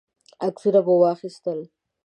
عکسونه مو واخیستل.